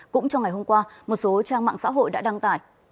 cũng trong ngày hôm qua một số trang mạng xã hội đã đăng tải